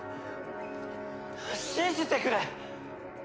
信じてくれ！